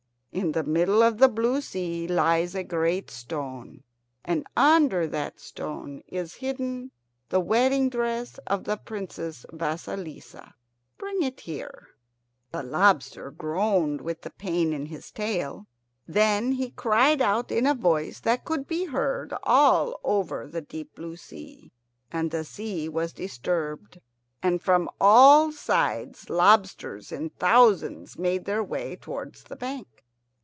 In the middle of the blue sea lies a great stone, and under that stone is hidden the wedding dress of the Princess Vasilissa. Bring it here." The lobster groaned with the pain in his tail. Then he cried out in a voice that could be heard all over the deep blue sea. And the sea was disturbed, and from all sides lobsters in thousands made their way towards the bank.